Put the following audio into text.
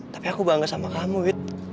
tapi aku bangga sama kamu gitu